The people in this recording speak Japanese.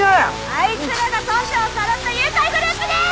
あいつらが村長をさらった誘拐グループです！